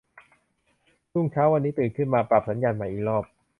รุ่งเช้าวันนี้ ตื่นขึ้นมา ปรับสัญญาณใหม่อีกรอบ